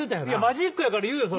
マジックやから言うよ。